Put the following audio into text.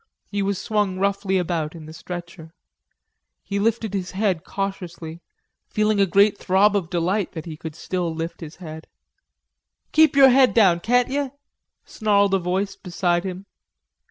He was swung roughly about in the stretcher. He lifted his head cautiously, feeling a great throb of delight that he still could lift his head. "Keep yer head down, can't yer?" snarled a voice beside him.